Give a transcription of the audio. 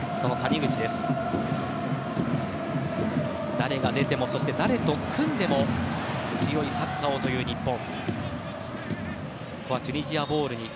誰が出ても、誰と組んでも強いサッカーをという日本。